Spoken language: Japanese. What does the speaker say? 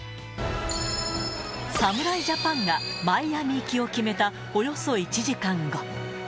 侍ジャパンがマイアミ行きを決めたおよそ１時間後。